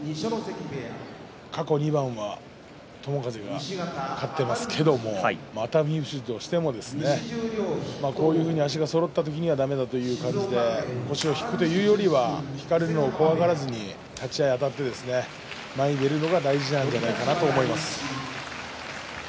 過去２番は友風が勝っていますけれども熱海富士としてもこういうふうに足がそろった時にはだめだという感じで腰を引かれるのを怖がらずに立ち合いあたって、前に出るのが大事だと思います。